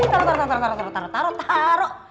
taruh taruh taruh